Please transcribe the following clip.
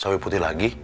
sawe putih lagi